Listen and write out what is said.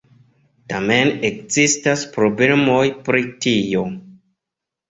Tamen ekzistas problemoj pri tio.